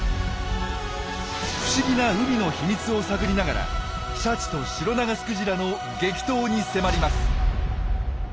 不思議な海の秘密を探りながらシャチとシロナガスクジラの激闘に迫ります！